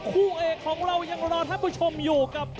คู่เอกของเรายังรอท่านผู้ชมอยู่กับ